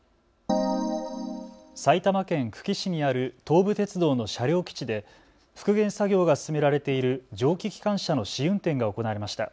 埼玉県久喜市にある東武鉄道の車両基地で復元作業が進められている蒸気機関車の試運転が行われました。